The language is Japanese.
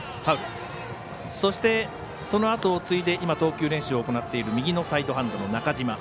そして、そのあとを継いで今、投球練習を行っている右のサイドハンドの中嶋。